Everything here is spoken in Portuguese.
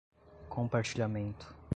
compartilhamento